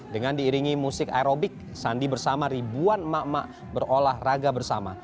dengan diiringi musik aerobik sandi bersama ribuan emak emak berolahraga bersama